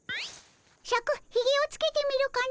シャクひげをつけてみるかの？